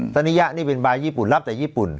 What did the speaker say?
สนิยะนี่เป็นบายญี่ปุ่นรับแต่ญี่ปุ่น